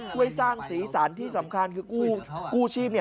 เพื่อสร้างศีรษรที่สำคัญคือกู้ชีพ